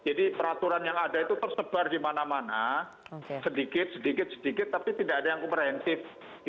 jadi peraturan yang ada itu tersebar di mana mana sedikit sedikit sedikit tapi tidak ada yang komprensif